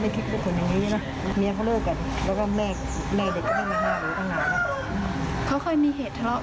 เขาเคยมีเหตุทะเลาะวิวาดลงไหมลงมืออะไรอย่างนี้หรือใครครับ